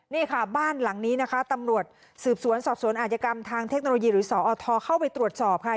นี่ค่ะบ้านหลังนี้นะคะตำรวจสืบสวนสอบสวนอาจกรรมทางเทคโนโลยีหรือสอทเข้าไปตรวจสอบค่ะ